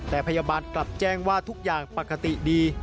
แต่พยาบาลกลับแจ้งว่าทุกอย่างปกติดี